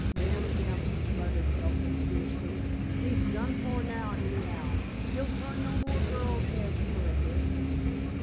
"D—n him," muttered Elkin fiercely. "He's done for now, anyhow. He'll turn no more girls' heads for a bit."